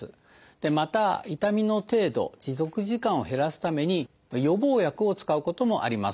また痛みの程度持続時間を減らすために「予防薬」を使うこともあります。